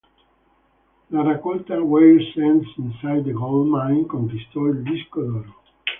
La raccolta "Weird Scenes Inside the Gold Mine" conquistò il disco d'oro.